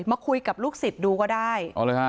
มาคุยกับลูกศิษย์ดูก็ได้